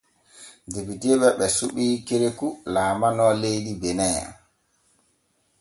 Depiteeɓe ɓe suɓi Kerekou laalano leydi Bene.